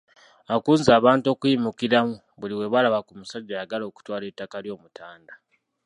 Akunze abantu okuyimukiramu buli we balaba ku musajja ayagala okutwala ettaka ly’Omutanda.